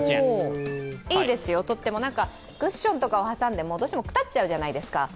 とってもいいですよ、クッションとかを挟んでも、どうしてもくたっちゃうじゃないですか。